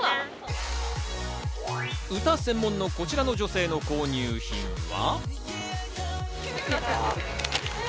歌専門のこちらの女性の購入品は。